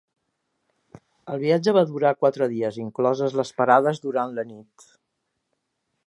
El viatge va durar quatre dies, incloses les parades durant la nit.